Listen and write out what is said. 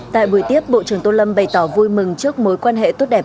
tại buổi tiếp bộ trưởng tô lâm bày tỏ vui mừng trước mối quan hệ tốt đẹp